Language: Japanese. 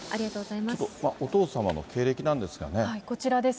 ちょっとお父様の経歴なんでこちらです。